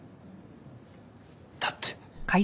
だって。